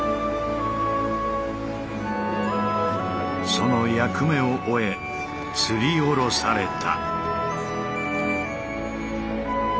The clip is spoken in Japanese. その役目を終えつり下ろされた。